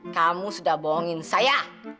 kamu sudah bohongin saya